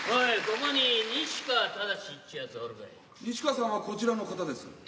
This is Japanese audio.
西川さんはこちらの方です。